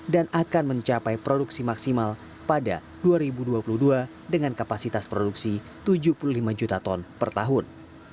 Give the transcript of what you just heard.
dan akan mencapai produksi maksimal pada dua ribu dua puluh dua dengan kapasitas produksi tujuh puluh lima juta ton per tahun